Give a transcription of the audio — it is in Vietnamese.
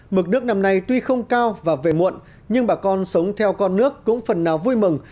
mực nước năm nay tuy không cao và về muộn nhưng bà con sống theo con nước cũng phần nào vui mừng